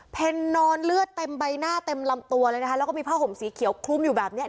นอนเลือดเต็มใบหน้าเต็มลำตัวเลยนะคะแล้วก็มีผ้าห่มสีเขียวคลุมอยู่แบบเนี้ย